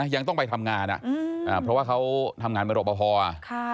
ยังต้องไปทำงานเพราะว่าเขาทำงานเป็นรอปภ